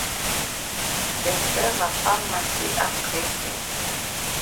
The server farm must be upgraded.